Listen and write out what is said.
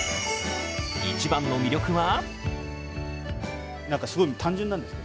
一番の魅力は？